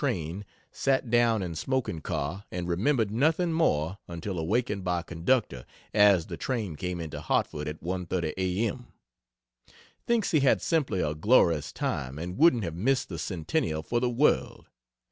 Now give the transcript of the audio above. train, sat down in smoking car and remembered nothing more until awakened by conductor as the train came into Hartford at 1.30 A. M. Thinks he had simply a glorious time and wouldn't have missed the Centennial for the world.